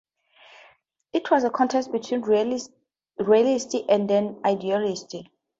It was a contest between a realist and an idealist.